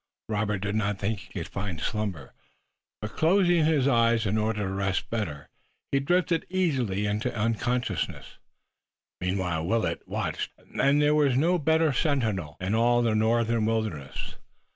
Robert did not think he could find slumber, but closing his eyes in order to rest better, he drifted easily into unconsciousness. Meanwhile Willet watched, and there was no better sentinel in all the northern wilderness.